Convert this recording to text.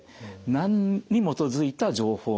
何に基づいた情報なのか。